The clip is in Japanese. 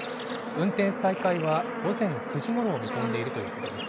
運転再開は午前９時ごろを見込んでいるということです。